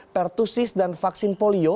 pertusis dan vaksin polio